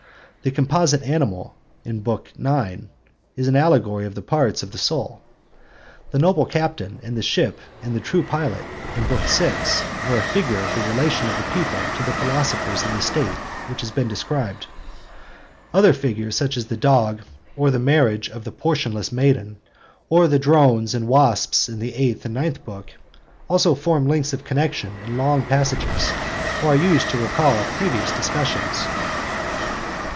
The composite animal in Book IX is an allegory of the parts of the soul. The noble captain and the ship and the true pilot in Book VI are a figure of the relation of the people to the philosophers in the State which has been described. Other figures, such as the dog, or the marriage of the portionless maiden, or the drones and wasps in the eighth and ninth books, also form links of connexion in long passages, or are used to recall previous discussions.